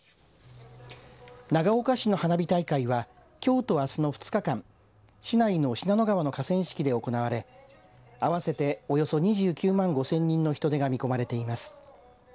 長岡市の花火大会はきょうとあすの２日間市内の信濃川の河川敷で行われ合わせておよそ２９万５０００人の人出が見込まれています。